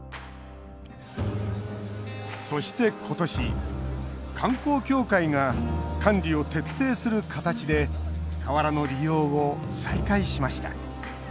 そして、今年観光協会が管理を徹底する形で河原の利用を再開しました。